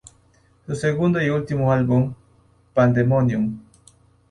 Su segundo y último álbum, "Pandemonium!